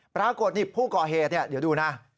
ปรากฏนี่ผู้ก่อเหตุเดี๋ยวดูนะ